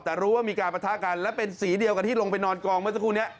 แต่รู้ว่ามีการประทะกันและเป็นสีเดียวกับที่ลงไปนอนกองเมื่อสักครู่นี้